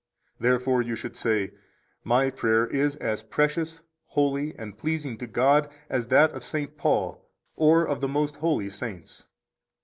16 Therefore you should say: My prayer is as precious, holy, and pleasing to God as that of St. Paul or of the most holy saints.